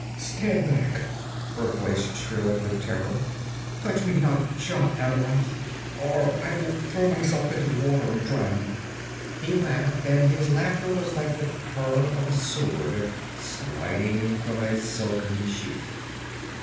'Stand back!' her voice shrilled with terror. 'Touch me not, Shah Amurath, or I will throw myself into the water and drown!' He laughed, and his laughter was like the purr of a sword sliding from a silken sheath.